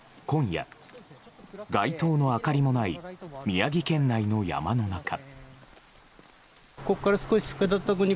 今夜、街灯の明かりもない宮城県内の山の中。